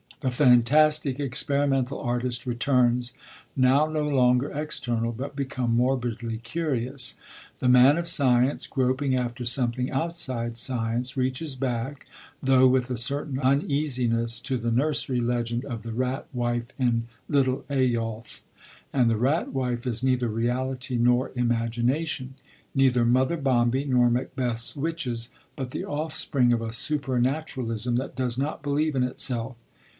The fantastic, experimental artist returns, now no longer external, but become morbidly curious. The man of science, groping after something outside science, reaches back, though with a certain uneasiness, to the nursery legend of the Rat wife in Little Eyolf; and the Rat wife is neither reality nor imagination, neither Mother Bombie nor Macbeth's witches, but the offspring of a supernaturalism that does not believe in itself.